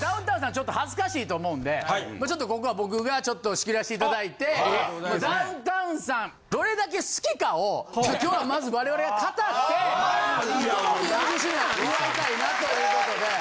ちょっと恥ずかしいと思うんでまあちょっとここは僕がちょっと仕切らしていただいてダウンタウンさんどれだけ好きかを今日はまず我々が語って４０周年祝いたいなということで。